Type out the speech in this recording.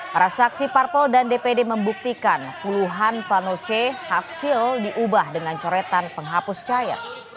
para saksi parpol dan dpd membuktikan puluhan panoce hasil diubah dengan coretan penghapus cair